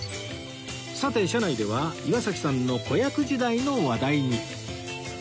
さて車内では岩崎さんの子役時代の話題に